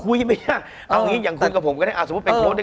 คุณผู้ชมบางท่าอาจจะไม่เข้าใจที่พิเตียร์สาร